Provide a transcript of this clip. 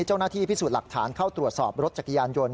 เจ้าหน้าที่พิสูจน์หลักฐานเข้าตรวจสอบรถจักรยานยนต์